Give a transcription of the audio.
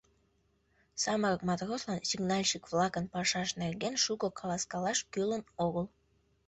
Самырык матрослан сигнальщик-влакын пашашт нерген шуко каласкалаш кӱлын огыл.